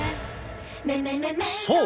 そう！